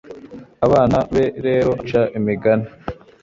abana be rero abatoza guca imigani